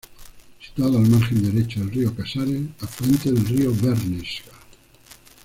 Situado al margen derecho del río Casares, afluente del río Bernesga.